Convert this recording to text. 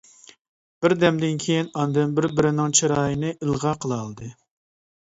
بىر دەمدىن كېيىن، ئاندىن بىر-بىرىنىڭ چىرايىنى ئىلغا قىلالىدى.